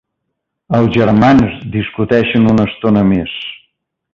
Els germans discuteixen una estona més.